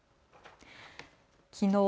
きのう